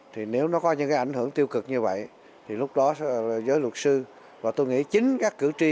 thì nếu nó có những cái ảnh hưởng tiêu cực như vậy thì lúc đó giới luật sư và tôi nghĩ chính các cử tri